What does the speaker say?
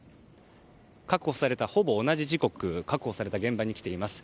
確保されたほぼ同じ時刻確保された現場に来ています。